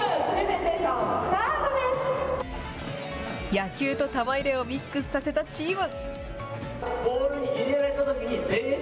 野球と玉入れをミックスさせたチーム。